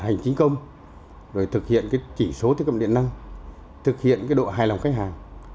hành chính công rồi thực hiện cái chỉ số tiết cập điện năng thực hiện cái độ hài lòng khách hàng